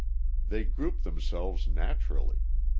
They group themselves naturally.